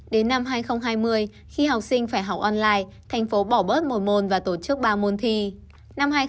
đến năm hai nghìn hai mươi khi học sinh phải học online thành phố bỏ bớt một môn và tổ chức ba môn thi